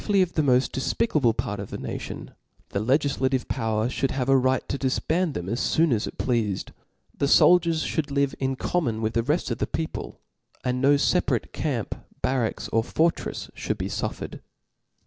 y of the mofl: def« picable part of the nation, the legiflative power fliould have a right to difband them as foon as it pleafed ; the foldiers fliould live in common with the reft of the people ; and no feparatc camp, bar facks, pr fortrefs fliould be fqfiered.